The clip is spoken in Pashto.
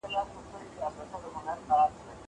زه له سهاره سبزېجات تياروم!